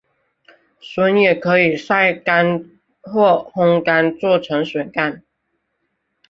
笋也可以晒干或烘干做成笋干。